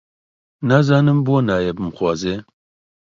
نازانم بۆ نایە بمخوازێ؟